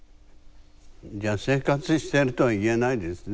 じゃあ生活してるとはいえないですね。